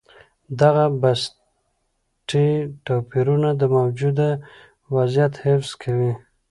دغه بنسټي توپیرونه د موجوده وضعیت حفظ کوي.